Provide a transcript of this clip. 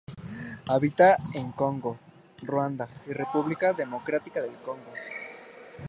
Habita en Congo, Ruanda y República Democrática del Congo.